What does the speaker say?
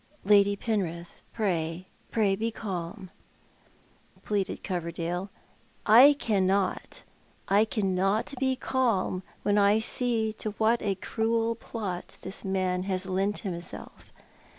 " Lady Penrith, pray, pray be calm," pleaded Coverdale. " I cannot — I cannot be calm when I see to what a cruel plot this man has lent himself.